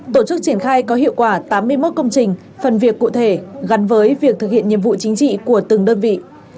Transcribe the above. tổ chức triển khai có hiệu quả tám mươi một công trình phần việc cụ thể gắn với việc thực hiện nhiệm vụ chính trị của từng đơn vị